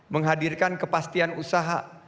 menghadirkan kepastian usaha